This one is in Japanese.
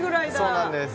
そうなんです。